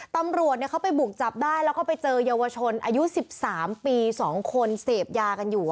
ตำรวจเขาไปบุกจับได้แล้วก็ไปเจอเยาวชนอายุ๑๓ปี๒คนเสพยากันอยู่